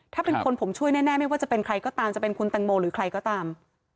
ถ้าเป็นคนผมช่วยแน่ไม่ว่าจะเป็นใครก็ตามจะเป็นคุณตังโมหรือใครก็ตาม